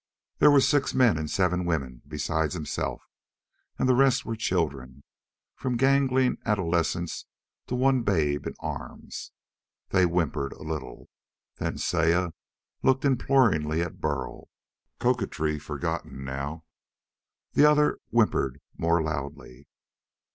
There were six men and seven women besides himself, and the rest were children, from gangling adolescents to one babe in arms. They whimpered a little. Then Saya looked imploringly at Burl coquetry forgotten now. The other whimpered more loudly.